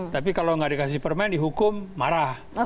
tapi kalau nggak dikasih permen dihukum marah